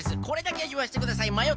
これだけはいわしてください。